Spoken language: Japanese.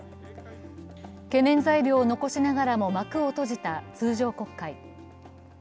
懸念材料を残しながらも幕を閉じた通常国会。